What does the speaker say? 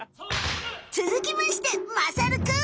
つづきましてまさるくん。